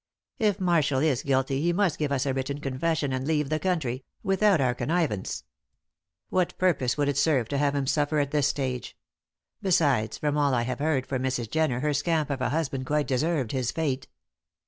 If Marshall is guilty he must give us a written confession and leave the country without our connivance. What purpose would it serve to have him suffer at this stage? Besides, from all I have heard from Mrs. Jenner her scamp of a husband quite deserved his fate.